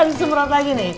udah disemprot lagi nih